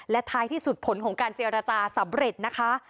และท้ายที่สุดผลของการเจรจาสำเร็จนะคะ